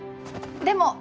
でも。